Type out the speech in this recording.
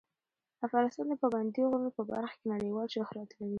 افغانستان د پابندي غرونو په برخه کې نړیوال شهرت لري.